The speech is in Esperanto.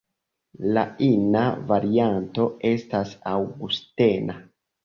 La ina varianto estas Aŭgustena.